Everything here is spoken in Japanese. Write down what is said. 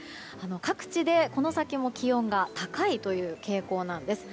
各地でこの先も気温が高いという傾向なんです。